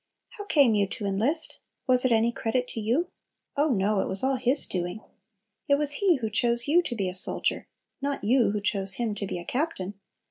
How came you to enlist? Was it any credit to you? Oh no! it was all His doing. It was He who chose you to be a soldier, not you who chose Him to be a Captain.